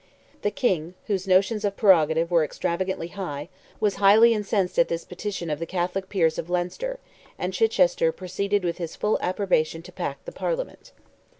The King, whose notions of prerogative were extravagantly high, was highly incensed at this petition of the Catholic peers of Leinster, and Chichester proceeded with his full approbation to pack the Parliament.